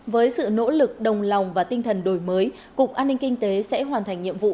với sự nỗ lực đồng lòng và tinh thần đổi mới cục an ninh kinh tế sẽ hoàn thành nhiệm vụ